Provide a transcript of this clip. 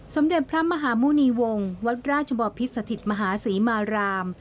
สมเด็จพระมหาหมุณีวงศ์วัดราชบอพิษสถิตมหาศรีมาราม